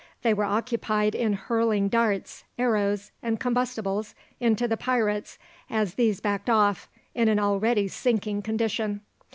They were occupied in hurling darts, arrows, and combustibles into the pirates as these backed off, in an already sinking condition.